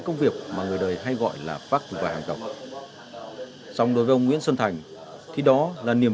công việc mà người đời hay gọi là phát và hạng độc xong đối với ông nguyễn xuân thành khi đó là niềm